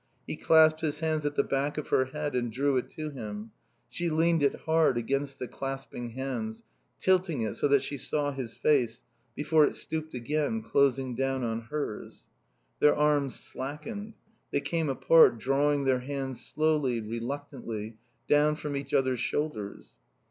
He clasped his hands at the back of her head and drew it to him. She leaned it hard against the clasping hands, tilting it so that she saw his face, before it stooped again, closing down on hers. Their arms slackened; they came apart, drawing their hands slowly, reluctantly, down from each other's shoulders.